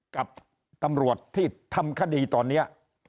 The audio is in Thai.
กับตำรวจที่ทำคดีตอนนี้